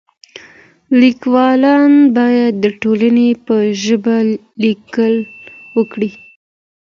ليکوالان بايد د ټولني په ژبه ليکل وکړي.